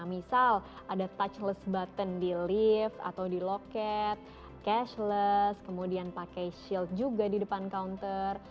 misal ada touchless button di lift atau di loket cashless kemudian pakai shield juga di depan counter